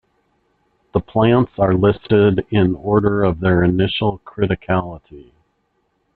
The plants are listed in order of their initial criticality.